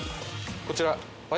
こちら。